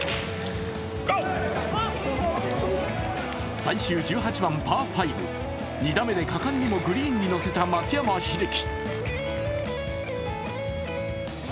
最終１８番、パー５２打目で果敢にもグリーンに乗せた松山英樹。